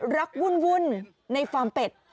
วุ่นในฟาร์มเป็ด